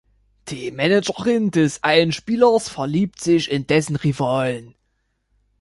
Die Managerin des einen Spielers verliebt sich in dessen Rivalen.